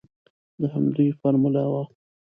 د همدوی فارموله وه.